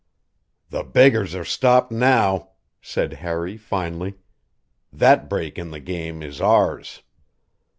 "The beggars are stopped now," said Harry finally. "That break in the game is ours."